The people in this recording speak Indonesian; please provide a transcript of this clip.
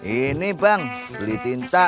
ini bang beli tinta